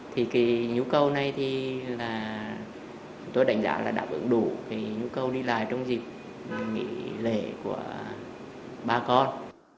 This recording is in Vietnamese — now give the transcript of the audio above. thì nhu cầu này thì là chúng tôi đánh giá là đáp ứng đủ nhu cầu đi lại trong dịp lễ của ba con